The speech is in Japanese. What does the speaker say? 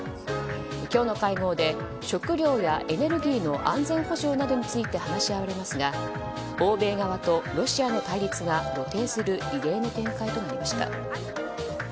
今日の会合で食料やエネルギーの安全保障などについて話し合われますが欧米側とロシアの対立が露呈する異例の展開となりました。